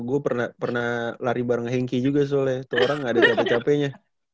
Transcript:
gue pernah lari bareng henki juga soalnya itu orang nggak ada cape cape nya